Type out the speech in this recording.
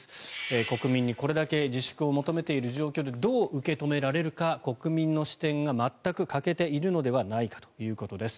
国民にこれだけ自粛を求めている状況でどう受け止められるか国民の視点が全く欠けているのではないかということです。